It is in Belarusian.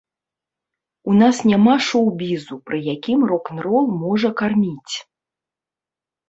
У нас няма шоў-бізу, пры якім рок-н-рол можа карміць.